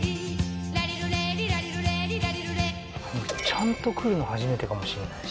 ちゃんと来るの初めてかもしんない。